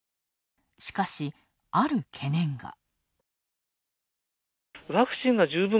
しかし、ある懸念が。